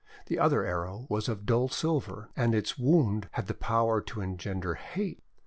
The other arrow was of dull silver, and its wound had the power to engender hate.